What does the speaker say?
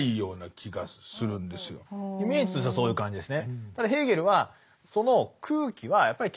イメージとしてはそういう感じですね。